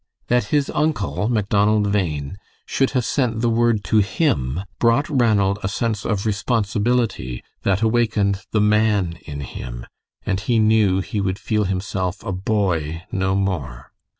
That his uncle, Macdonald Bhain, should have sent the word to him brought Ranald a sense of responsibility that awakened the man in him, and he knew he would feel himself a boy no more.